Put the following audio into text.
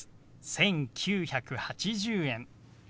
「１９８０円」。